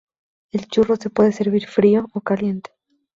El churro se puede servir frío o caliente.